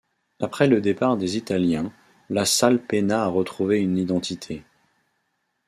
Après le départ des Italiens, la salle peina à retrouver une identité.